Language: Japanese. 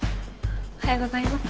おはようございます。